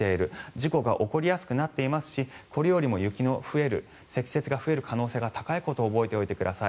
事故が起こりやすくなっていますしこれよりも積雪が増える可能性が高いことを覚えておいてください。